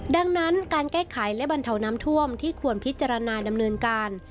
ดังนั้นการแก้ไขและบรรเทาน้ำท่วมที่ควรพิจารณาดำเนินการ